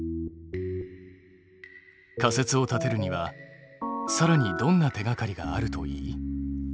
仮説を立てるにはさらにどんな手がかりがあるといい？